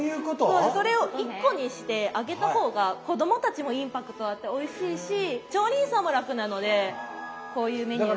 そうそれを１個にして揚げた方が子供たちもインパクトあっておいしいし調理員さんも楽なのでこういうメニューになります。